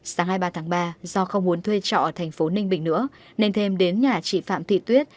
sáng hai mươi ba tháng ba do không muốn thuê trọ ở thành phố ninh bình nữa nên thêm đến nhà chị phạm thị tuyết